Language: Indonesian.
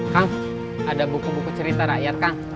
kang ada buku buku cerita rakyat kang